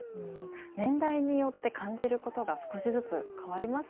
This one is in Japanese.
年代によって感じることが少しずつ変わりますね。